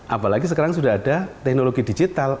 apalagi sekarang sudah ada teknologi digital